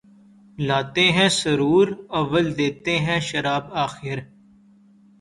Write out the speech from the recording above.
لاتے ہیں سرور اول دیتے ہیں شراب آخر